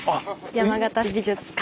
山形美術館。